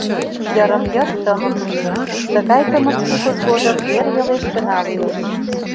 Йырым-йыр тымык лие, тыгай тымык шукыж годым эр велеш гына лиеш;